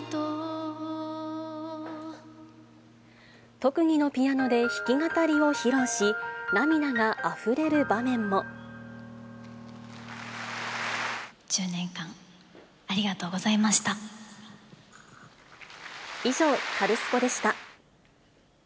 特技のピアノで弾き語りを披露し、１０年間、ありがとうござい以上、カルスポっ！でした。